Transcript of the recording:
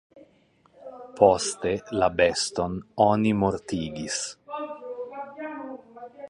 Poste la beston oni mortigis.